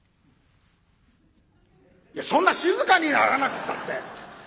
いやそんな静かにならなくったって。